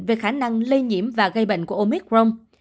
về khả năng lây nhiễm và gây bệnh của omicron